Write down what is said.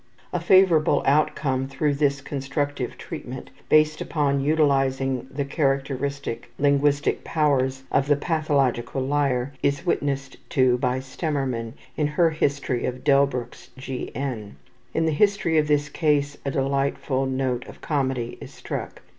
A favorable outcome through this constructive treatment based upon utilizing the characteristic linguistic powers of the pathological liar, is witnessed to by Stemmermann in her story of Delbruck's G. N. In the history of this case a delightful note of comedy is struck.